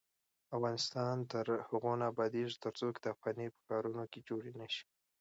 افغانستان تر هغو نه ابادیږي، ترڅو کتابخانې په ښارونو کې جوړې نشي.